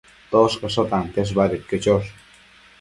Toshcasho tantiash badedquio chosh